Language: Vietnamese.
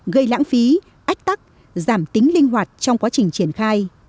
gây lãng phí ách tắc giảm tính linh hoạt trong quá trình triển khai